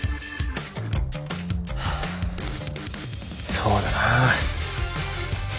そうだな。